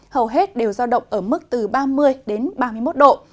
hầu hết đều giao động ở mức từ ba mươi đến ba mươi một độ